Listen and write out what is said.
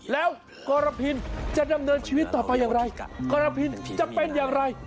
แล้วกรพินจะดำเนินชีวิตต่อไปอย่างไรกรพินจะเป็นอย่างไร